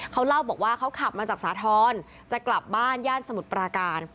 เขาเล่าบอกว่าเขาขับมาจากสาธรณ์จะกลับบ้านย่านสมุทรปราการ